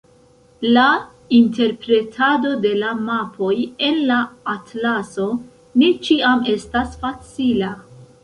La interpretado de la mapoj en la atlaso ne ĉiam estas facila.